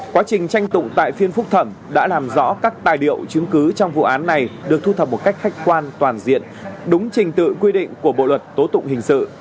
quá trình tranh tụng tại phiên phúc thẩm đã làm rõ các tài liệu chứng cứ trong vụ án này được thu thập một cách khách quan toàn diện đúng trình tự quy định của bộ luật tố tụng hình sự